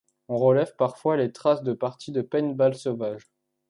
On relève parfois les traces de parties de paintball sauvage.